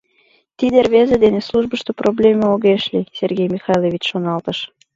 «Тиде рвезе дене службышто проблеме огеш лий», — Сергей Михайлович шоналтыш.